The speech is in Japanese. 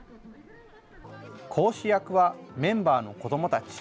講師役はメンバーの子どもたち。